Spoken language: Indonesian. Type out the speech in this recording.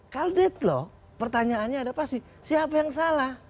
kalau deadlock pertanyaannya ada pasti siapa yang salah